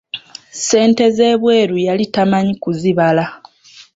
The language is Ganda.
Ssente z'ebweru yali tamanyi kuzibala.